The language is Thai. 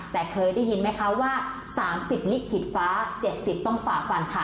แต่เคยได้ยินไหมคะว่า๓๐ลิขิตฟ้า๗๐ต้องฝ่าฟันค่ะ